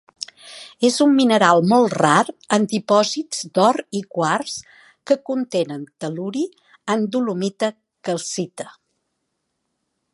És un mineral molt rar en dipòsits d'or i quars que contenen tel·luri en dolomita–calcita.